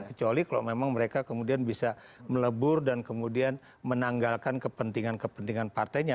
kecuali kalau memang mereka kemudian bisa melebur dan kemudian menanggalkan kepentingan kepentingan partainya